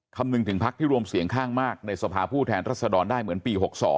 คำนึงถึงพักที่รวมเสียงข้างมากในสภาผู้แทนรัศดรได้เหมือนปี๖๒